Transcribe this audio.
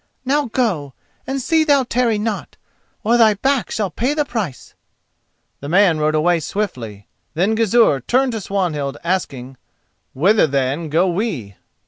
Now go, and see thou tarry not, or thy back shall pay the price." The man rode away swiftly. Then Gizur turned to Swanhild, asking: "Whither, then, go we?"